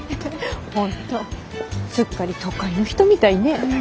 本当すっかり都会の人みたいね。